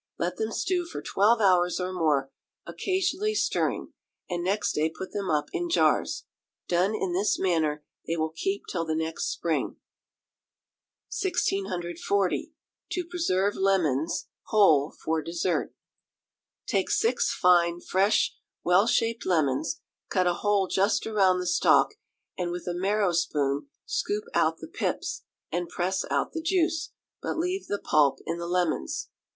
Let them stew for twelve hours or more, occasionally stirring, and next day put them up in jars. Done in this manner, they will keep till the next spring. 1640. To Preserve Lemons, Whole, for Dessert. Take six fine, fresh, well shaped lemons, cut a hole just round the stalk, and with a marrow spoon scoop out the pips, and press out the juice, but leave the pulp in the lemons.